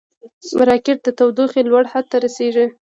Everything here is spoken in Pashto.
راکټ د تودوخې لوړ حد ته رسېږي